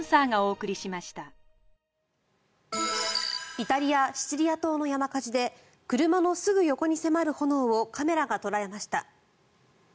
イタリア・シチリア島の山火事で車のすぐ横に迫る炎をカメラが捉えました。